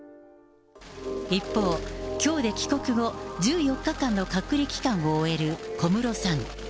一方、きょうで帰国後１４日間の隔離期間を終える小室さん。